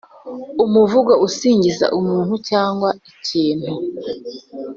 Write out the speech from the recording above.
umuvugo usingiza umuntu cyangwa ikintu.